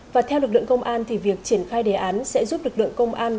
và theo lực lượng công an thì việc triển khai đề án sẽ giúp lực lượng công an